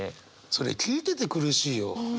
それ聞いてて苦しいよ。